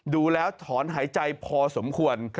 ดูแล้วถอนหายใจพอสมควร